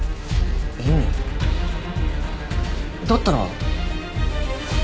意味？だったら！